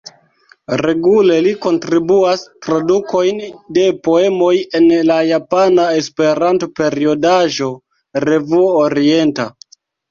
Regule li kontribuas tradukojn de poemoj en la japana Esperanto-periodaĵo Revuo Orienta.